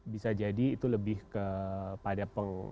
bisa jadi itu lebih kepada